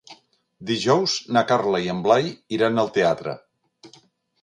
Dijous na Carla i en Blai iran al teatre.